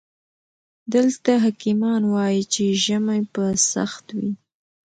دلته حکيمان وايي چې ژمی به سخت وي.